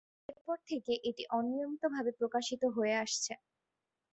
এরপর থেকে এটি অনিয়মিতভাবে প্রকাশিত হয়ে আসছে।